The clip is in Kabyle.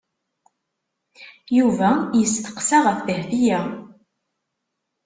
Yuba yesteqsa ɣef Dahbiya.